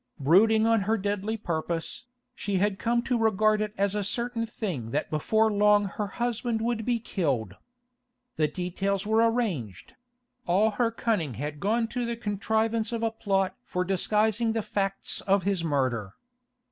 Brooding on her deadly purpose, she had come to regard it as a certain thing that before long her husband would be killed. The details were arranged; all her cunning had gone to the contrivance of a plot for disguising the facts of his murder.